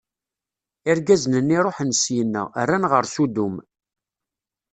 Irgazen-nni ṛuḥen syenna, rran ɣer Sudum.